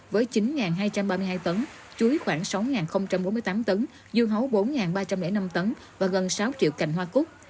với chín hai trăm ba mươi hai tấn chuối khoảng sáu bốn mươi tám tấn dưa hấu bốn ba trăm linh năm tấn và gần sáu triệu cành hoa cúc